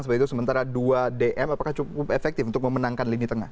sementara itu sementara dua dm apakah cukup efektif untuk memenangkan lini tengah